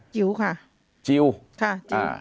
จิลล์ค่ะ